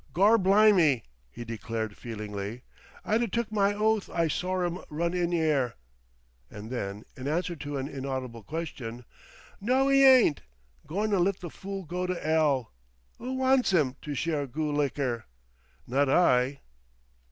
"Gorblimy!" he declared feelingly. "I'd 'a' took my oath I sore'm run in 'ere!" And then, in answer to an inaudible question: "No, 'e ain't. Gorn an' let the fool go to 'ell. 'Oo wants 'im to share goo' liker? Not I!..."